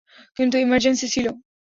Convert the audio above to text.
কিন্তু ইমার্জেন্সি ছিল।